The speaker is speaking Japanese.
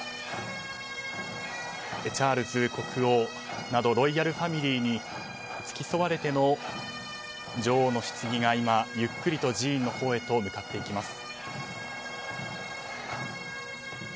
チャールズ国王などロイヤルファミリーに付き添われて女王のひつぎが今、ゆっくりと寺院のほうへと向かっていきます。